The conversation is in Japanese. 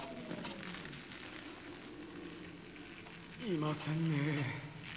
いませんねえ。